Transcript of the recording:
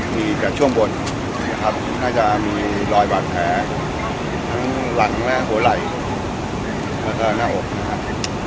มีแต่ช่วงบนนะครับน่าจะมีรอยบาดแผลทั้งหลังและหัวไหล่แล้วก็หน้าอกนะครับ